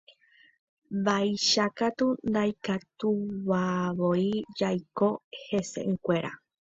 Vaicháku ndaikatuivavoi jaiko hese'ỹkuéra.